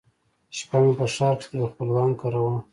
شپه مې په ښار کښې د يوه خپلوان کره وه.